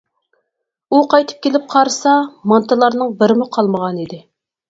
ئۇ قايتىپ كېلىپ قارىسا مانتىلارنىڭ بىرىمۇ قالمىغانىدى.